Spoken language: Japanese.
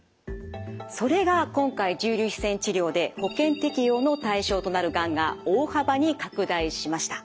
それが今回重粒子線治療で保険適用の対象となるがんが大幅に拡大しました！